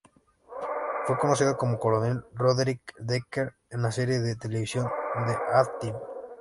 Fue conocido como Coronel Roderick Decker en la serie de televisión "The A-Team".